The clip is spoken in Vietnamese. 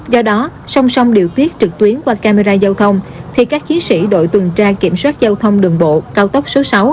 do đó song song điều tiết trực tuyến qua camera giao thông thì các chiến sĩ đội tuần tra kiểm soát giao thông đường bộ cao tốc số sáu